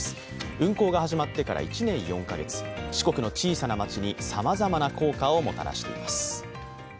運行が始まってから１年４か月、四国の小さな町にさまざまな効果をもたらしています。